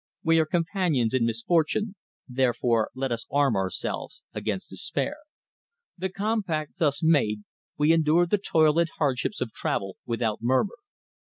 We are companions in misfortune, therefore let us arm ourselves against despair." The compact thus made, we endured the toil and hardships of travel without murmur.